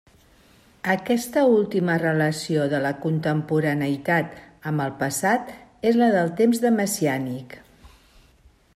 Aquesta última relació de la contemporaneïtat amb el passat és la del temps de messiànic.